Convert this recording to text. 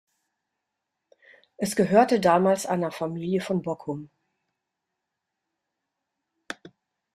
Es gehörte damals einer Familie von Bockum.